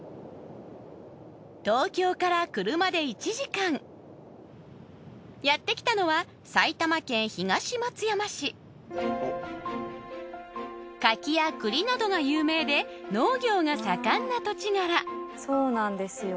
東京から車で１時間やってきたのは埼玉県東松山市カキやクリなどが有名で農業が盛んな土地柄そうなんですよ